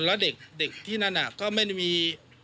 แล้วเด็กที่นั่นก็ไม่ได้มี